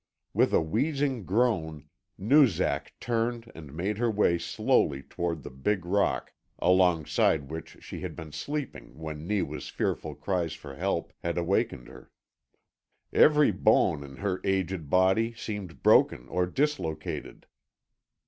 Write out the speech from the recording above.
With a wheezing groan Noozak turned and made her way slowly toward the big rock alongside which she had been sleeping when Neewa's fearful cries for help had awakened her. Every bone in her aged body seemed broken or dislocated.